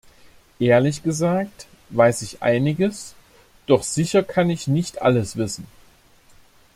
Ehrlich gesagt, weiß ich einiges, doch sicher kann ich nicht alles wissen.